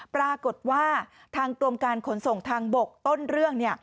ปรากฏว่าทางกรมการขนส่งทางบกต้นเรื่อง